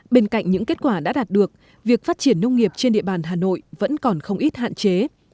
bên cạnh những kết quả đã đạt được việc phát triển nông nghiệp trên địa bàn hà nội vẫn còn không ít hạn chế